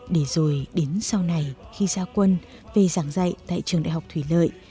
để rồi đến sau này khi ra quân về giảng dạy tại trường đại học thủy lợi